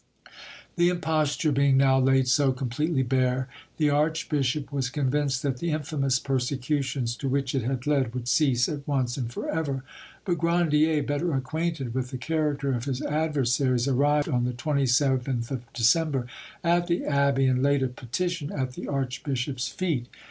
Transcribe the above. The imposture being now laid so completely bare, the archbishop was convinced that the infamous persecutions to which it had led would cease at once and for ever; but Grandier, better acquainted with the character of his adversaries, arrived on the 27th of December at the abbey and laid a petition at the archbishop's feet.